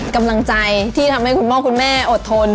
กำลังใจที่ทำให้คุณพ่อคุณแม่อดทน